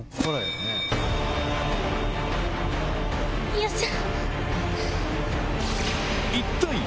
よっしゃ！